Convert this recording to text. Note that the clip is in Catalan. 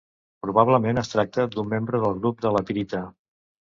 Probablement es tracta d'un membre del grup de la pirita.